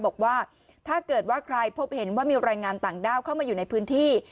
บอกว่าถ้าเกิดว่าใครพบเห็นว่ามีรายงานต่างด้าวเข้ามาอยู่ในพื้นที่